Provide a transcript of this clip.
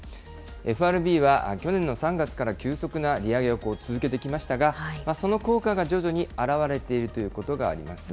ＦＲＢは去年の３月から急速な利上げを続けてきましたが、その効果が徐々に表れているということがあります。